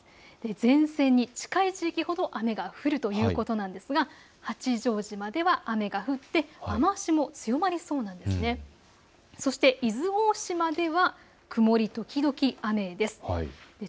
前線に近い地域ほど雨が降るということなんですが、八丈島では雨が降って雨足も強まりそうです。